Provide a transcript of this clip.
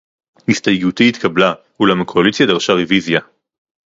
הסתייגותי התקבלה, אולם הקואליציה דרשה רוויזיה